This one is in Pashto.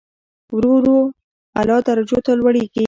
ورو ورو اعلی درجو ته لوړېږي.